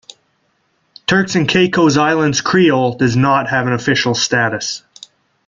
Turks and Caicos Islands Creole does not have an official status.